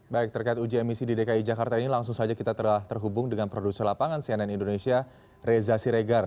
baik terkait uji emisi di dki jakarta ini langsung saja kita telah terhubung dengan produser lapangan cnn indonesia reza siregar